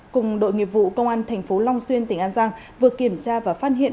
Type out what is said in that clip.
cùng đội nghiệp vụ công an tp long xuyên tỉnh an giang vừa kiểm tra và phát hiện